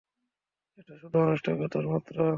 এটা শুধু আনুষ্ঠানিকতা মাত্র।